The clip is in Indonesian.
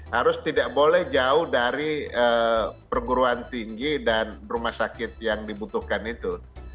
harus tidak boleh jauh dari perguruan tinggi dan rumah sakit yang dibutuhkan itu